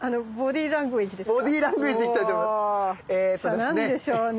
さあ何でしょうね。